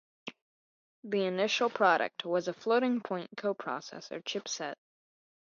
The initial product was a Floating point coprocessor chip set.